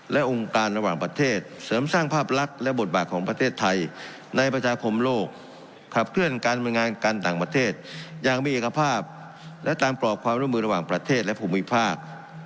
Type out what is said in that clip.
และองค์การระหว่างประเทศเสริมสร้างภาพลักษณ์และบทบาทของประเทศไทยในประชาคมโลกขับเคลื่อนการบริงานการต่างประเทศอย่างมีเอกภาพและตามกรอบความร่วมมือระหว่างประเทศและภูมิภาค